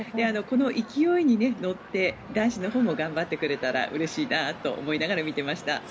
この勢いに乗って男子のほうも頑張ってくれたらうれしいなと思いながら見ていました。